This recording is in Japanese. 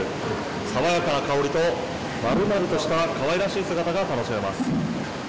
爽やかな香りと、まるまるとしたかわいらしい姿が楽しめます。